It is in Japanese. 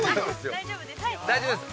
◆大丈夫ですよ。